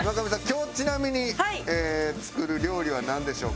今日ちなみに作る料理はなんでしょうか？